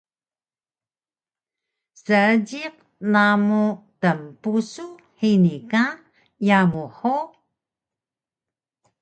Seejiq namu tnpusu hini ka yamu hug?